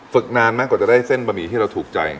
นานมากกว่าจะได้เส้นบะหมี่ที่เราถูกใจ